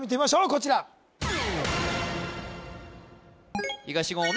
こちら東言お